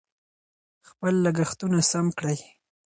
خپل لګښتونه سم کړئ.